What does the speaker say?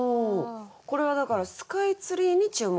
これはだからスカイツリーに注目した。